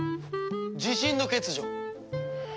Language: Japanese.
自信の欠如。